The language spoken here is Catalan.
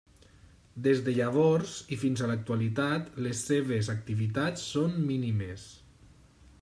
Des de llavors i fins a l'actualitat les seves activitats són mínimes.